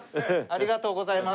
ありがとうございます。